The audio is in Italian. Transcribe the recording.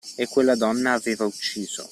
E quella donna aveva ucciso!